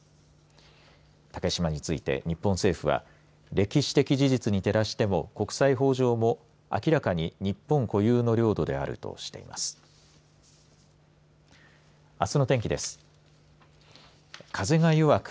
竹島について、日本政府は歴史的事実に照らしても国際法上も明らかに日本固有の領土であるとしています。